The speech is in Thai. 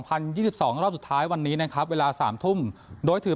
ยี่สิบสองรอบสุดท้ายวันนี้นะครับเวลาสามทุ่มโดยถือ